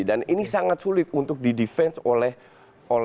dan ini sangat sulit untuk di defense oleh uzil